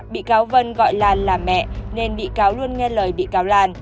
bị cáo vân gọi là mẹ nên bị cáo luôn nghe lời bị cáo lan